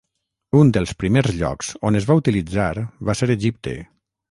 Un dels primers llocs on es va utilitzar va ser Egipte.